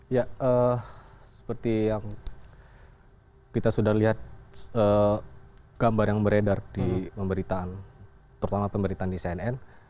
ya seperti yang kita sudah lihat gambar yang beredar di pemberitaan terutama pemberitaan di cnn